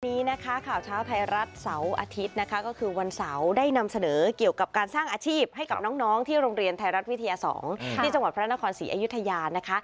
วันนี้นะคะข่าวเช้าไทยรัฐเสาร์อาทิตย์นะคะก็คือวันเสาร์ได้นำเสนอเกี่ยวกับการสร้างอาชีพให้กับน้องที่โรงเรียนไทยรัฐวิทยา๒ที่จังหวัดพระนครศรีอยุธยานะคะ